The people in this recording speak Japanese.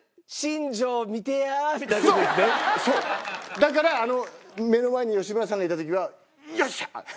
だから目の前に吉村さんがいた時は「よっしゃ！」。